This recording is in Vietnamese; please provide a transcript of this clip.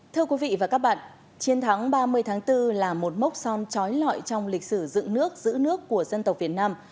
thưa quý vị và các bạn chiến thắng ba mươi tháng bốn là một mốc son trói lọi trong lịch sử dựng nước giữ nước của dân tộc việt nam